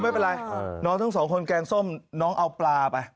ไม่เป็นไรน้องทั้งสองคนแกงส้มน้องเอาปลาไป